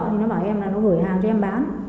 thì nó bảo em là nó gửi hàng cho em bán